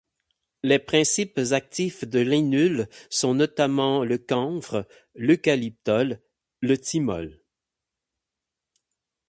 Les principes actifs de l'inule sont notamment le camphre, l'eucalyptol, le thymol.